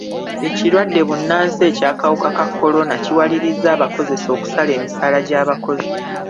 Ekirwadde bbunansi eky'akawuka ka kolona kiwalirizza abakozesa okusala emisaala gy'abakozi.